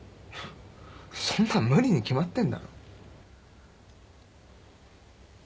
そんなん無理に決まってんだろ。